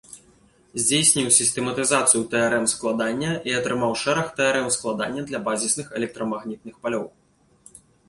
Здзейсніў сістэматызацыю тэарэм складання і атрымаў шэраг тэарэм складання для базісных электрамагнітных палёў.